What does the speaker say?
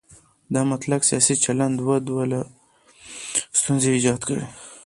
دا مطلق سیاسي چلن دوه ډوله ستونزې ایجاد کړي.